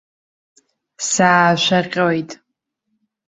Саашәаҟьоит.